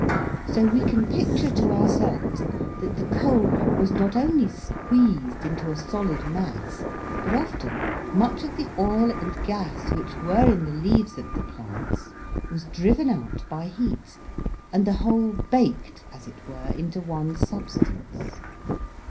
So we can picture to ourselves that the coal was not only squeezed into a solid mass, but often much of the oil and gas which were in the leaves of the plants was driven out by heat, and the whole baked, as it were, into one substance.